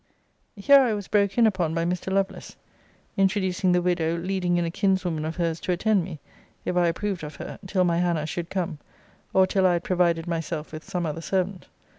Here I was broke in upon by Mr. Lovelace; introducing the widow leading in a kinswoman of her's to attend me, if I approved of her, till my Hannah should come, or till I had provided myself with some other servant.